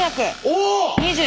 お！